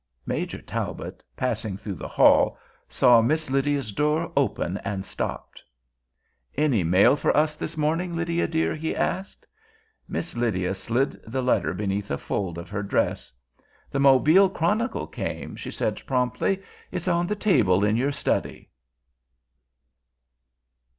Major Talbot, passing through the hall, saw Miss Lydia's door open and stopped. "Any mail for us this morning, Lydia, dear?" he asked. Miss Lydia slid the letter beneath a fold of her dress. "The Mobile Chronicle came," she said promptly. "It's on the table in your study."